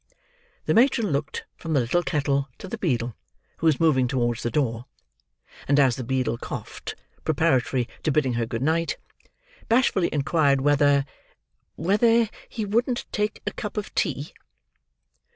The matron looked, from the little kettle, to the beadle, who was moving towards the door; and as the beadle coughed, preparatory to bidding her good night, bashfully inquired whether—whether he wouldn't take a cup of tea?